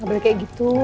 ga boleh kayak gitu